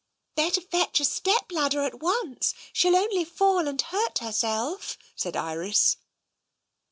" Better fetch a step ladder at once. Shell only fall and hurt herself," said Iris.